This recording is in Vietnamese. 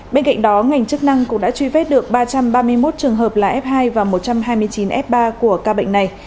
bên cạnh đó ngành chức năng cũng đã truy vết được ba trăm ba mươi một trường hợp là f hai và một trăm hai mươi chín f ba của ca bệnh này